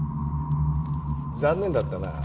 残念だったな。